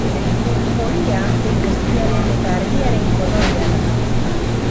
Horia eguzkiaren eta argiaren kolorea da.